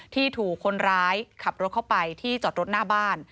ที่ถูกคนร้ายขับรถเข้าไปที่จอดรถหน้าบ้าน